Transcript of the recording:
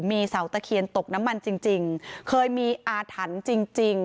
มีเสาตะเคียนตกน้ำมันจริงเคยมีอาถรรพ์จริง